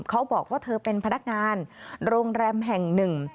เขาบอกว่าเธอเป็นพนักงานโรงแรมแห่งหนึ่ง